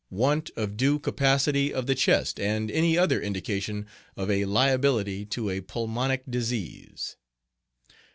Want of due capacity of the chest, and any other indication of a liability to a pulmonic disease.